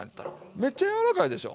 めっちゃ柔らかいでしょ？